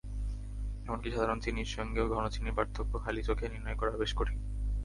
এমনকি সাধারণ চিনির সঙ্গেও ঘনচিনির পার্থক্য খালি চোখে নির্ণয় করা বেশ কঠিন।